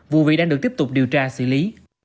vụ việc đang được tiếp tục điều tra xử lý